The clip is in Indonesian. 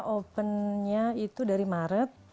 opennya itu dari maret